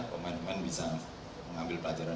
kemain kemain bisa mengambil pelajaran